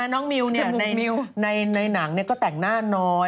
น้องมิวในหนังก็แต่งหน้าน้อย